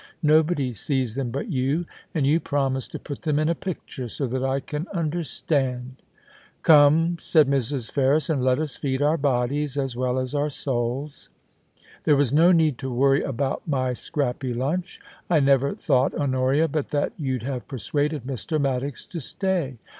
Nobody sees them but you, and you promised to put them in a picture, so that I can understand.' * Come,' said Mrs. Ferris, * and let us feed our bodies as well as our souls. There was no need to worry about my scrappy lunch; I never thought, Honoria, but that you'd have persuaded Mr. Maddox to stay.